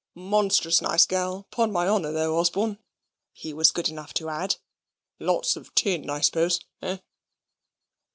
"Monstrous nice girl, 'pon my honour, though, Osborne," he was good enough to add. "Lots of tin, I suppose, eh?"